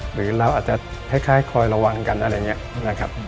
หรือเราอาจจะคล้ายคอยระวังกันอะไรอย่างนี้นะครับ